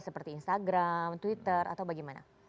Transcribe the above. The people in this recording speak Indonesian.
seperti instagram twitter atau bagaimana